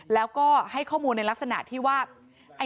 แล้วก็ให้ข้อมูลในลักษณะที่ว่า